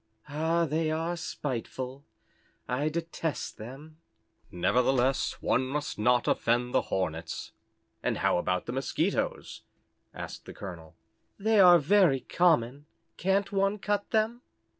"Ah, they are spiteful, I detest them." "Nevertheless, one must not offend the Hornets, and how about the Mosquitoes?" asked the Colonel. "They are very common. Can't one cut them?"